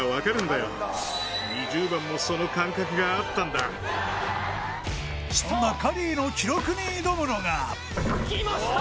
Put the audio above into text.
大体そんなカリーの記録に挑むのがきました